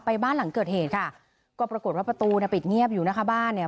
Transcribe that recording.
บ้านหลังเกิดเหตุค่ะก็ปรากฏว่าประตูเนี่ยปิดเงียบอยู่นะคะบ้านเนี่ย